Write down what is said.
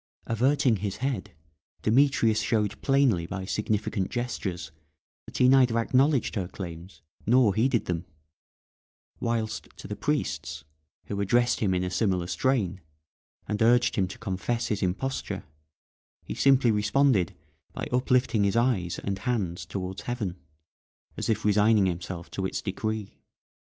Averting his head, Demetrius showed plainly by significant gestures that he neither acknowledged her claims, nor heeded them; whilst to the priests, who addressed him in a similar strain, and urged him to confess his imposture, he simply responded by uplifting his eyes and hands towards heaven, as if resigning himself to its decree.